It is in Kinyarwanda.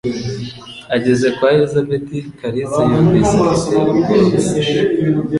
Ageze kwa Elisabeth, Kalisa yumvise afite ubwoba bwinshi